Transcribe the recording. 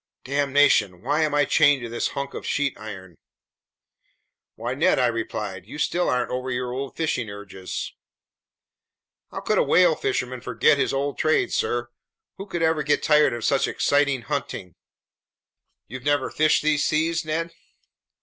Damnation! Why am I chained to this hunk of sheet iron!" "Why, Ned!" I replied. "You still aren't over your old fishing urges?" "How could a whale fisherman forget his old trade, sir? Who could ever get tired of such exciting hunting?" "You've never fished these seas, Ned?"